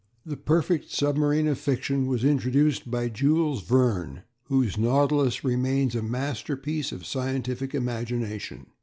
_] The perfect submarine of fiction was introduced by Jules Verne, whose Nautilus remains a masterpiece of scientific imagination.